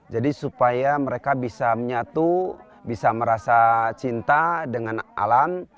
jadi supaya mereka bisa menyatu bisa merasa cinta dengan alam